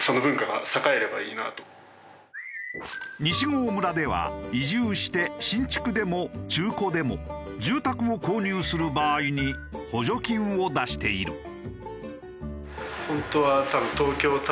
西郷村では移住して新築でも中古でも住宅を購入する場合に補助金を出している。